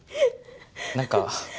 何か